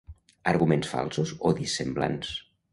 Arguments falsos o dissemblants.